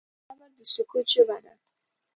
قبر د سکوت ژبه ده.